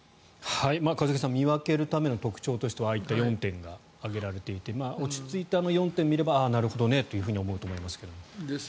一茂さん見分けるための特徴としてはああいった４点が挙げられていて落ち着いてあの４点を見ればああ、なるほどねと思うと思いますけど。